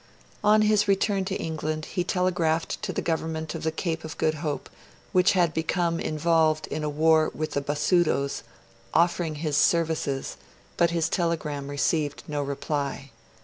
On his return to England, he telegraphed to the Government of the Cape of Good Hope, which had become involved in a war with the Basutos, offering his services; but his telegram received no reply.